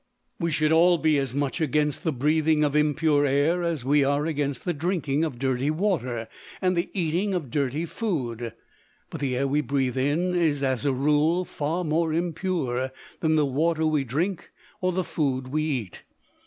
We should all be as much against the breathing of impure air as we are against the drinking of dirty water and the eating of dirty food; but the air we breathe is, as a rule, far more impure than the water we drink or the food we eat.